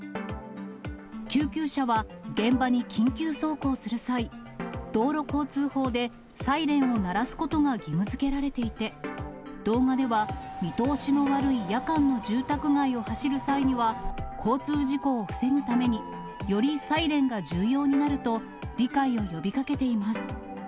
救急車は現場に緊急走行する際、道路交通法でサイレンを鳴らすことが義務づけられていて、動画では、見通しの悪い夜間の住宅街を走る際には、交通事故を防ぐために、よりサイレンが重要になると理解を呼びかけています。